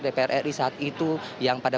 dpr ri saat itu yang pada